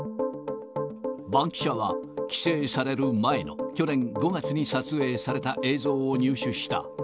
バンキシャは規制される前に、去年５月に撮影された映像を入手した。